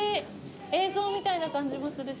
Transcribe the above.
映像みたいな感じもするし。